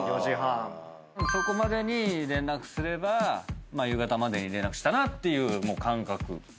そこまでに連絡すれば夕方までに連絡したなっていう感覚。